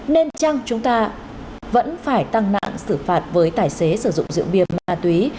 nên chăng chúng ta vẫn phải tăng nặng xử phạt với tài xế sử dụng rượu bia ma túy